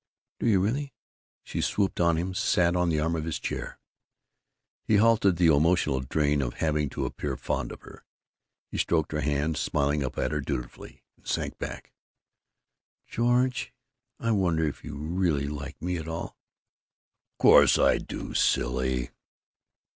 "Do you really?" She swooped on him, sat on the arm of his chair. He hated the emotional drain of having to appear fond of her. He stroked her hand, smiled up at her dutifully, and sank back. "George, I wonder if you really like me at all?" "Course I do, silly."